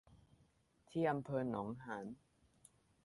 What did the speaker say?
ที่อำเภอหนองหาน